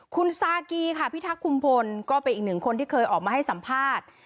คุณซากีค่ะพิทักษ์คุมพลก็เป็นอีกหนึ่งคนที่เคยออกมาให้สัมภาษณ์